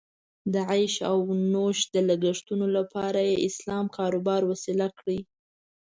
د عیش او نوش د لګښتونو لپاره یې اسلام کاروبار وسیله کړې.